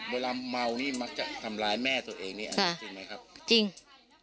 เวลาเมานี่มักจะทำร้ายแม่ตัวเองนี่อันนี้จริงไหมครับจริง